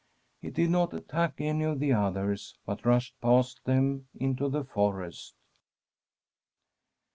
It did not attack any of the others, but rushed past them into the forest.